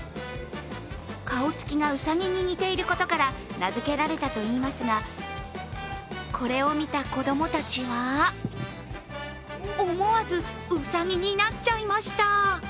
顔つきがうさぎに似ていることから名付けられたといいますがこれを見た子供たちは思わずうさぎになっちゃいました。